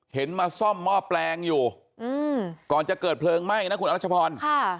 มาซ่อมหม้อแปลงอยู่ก่อนจะเกิดเพลิงไหม้นะคุณอรัชพรค่ะ